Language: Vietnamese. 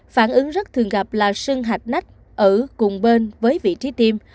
phản ứng rất thường gặp là sưng hạch nách ở cùng bên với vị trí tim